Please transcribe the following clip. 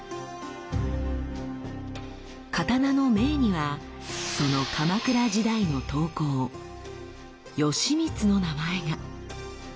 刀の銘にはその鎌倉時代の刀工「吉光」の名前が！